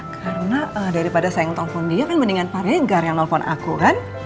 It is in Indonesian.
karena daripada saya ngetelpon dia kan mendingan pak regar yang nelfon aku kan